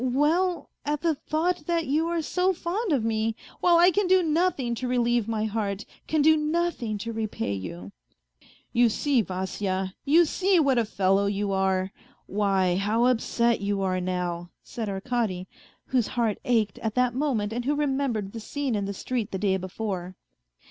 ... Well, at the thought that you are so fond of me, while I can do nothing to relieve my heart, can do nothing to repay you." " You see, Vasya, you see what a fellow you are ! Why, how upset you are now," said Arkady, whose heart ached at that moment and who remembered the scene in the street the day before.